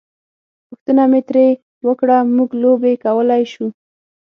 پوښتنه مې ترې وکړه: موږ لوبې کولای شو؟